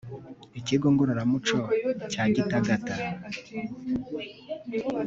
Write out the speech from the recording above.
Ikigo Ngororamuco cya Gitagata